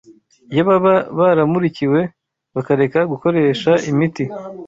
Iyo baba baramurikiwe, bakareka gukoresha imiti